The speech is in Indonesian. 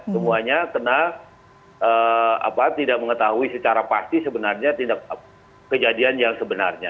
semuanya kena tidak mengetahui secara pasti sebenarnya tindak kejadian yang sebenarnya